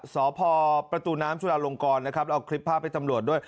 สภประตูน้ำสุดาลงกรเอาคลิปภาพไปตำรวจด้วย